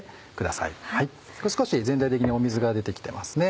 少し全体的に水が出て来てますね。